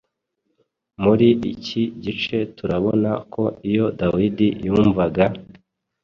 Muri iki gice turabona ko iyo Dawidi yumvaga